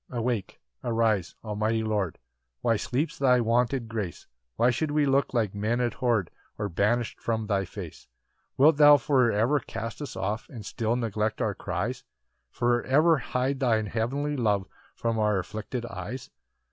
8 Awake, arise, almighty Lord, Why sleeps thy wonted grace? Why should we look like men abhorr'd, Or banish'd from thy face? 9 Wilt thou for ever cast us off And still neglect our cries? For ever hide thine heavenly love From our afflicted eyes?